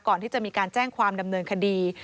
ก่อนที่จะมีการแจ้งความดำเนินคดี